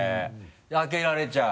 開けられちゃう？